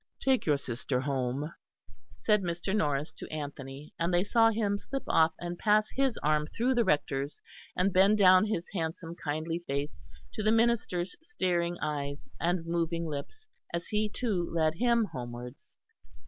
"Take your sister home," said Mr. Norris to Anthony; and they saw him slip off and pass his arm through the Rector's, and bend down his handsome kindly face to the minister's staring eyes and moving lips as he too led him homewards.